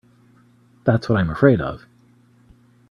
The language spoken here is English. That's what I'm afraid of.